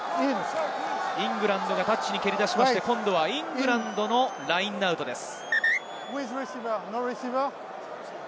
イングランドがタッチに蹴り出した今度はイングランドのラインアウトです。